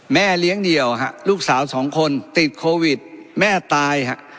แม่เลี้ยงเดี่ยวฮะลูกสาวสองคนติดโควิดแม่ตายฮะ